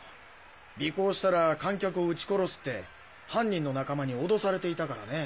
「尾行したら観客を撃ち殺す」って犯人の仲間に脅されていたからね。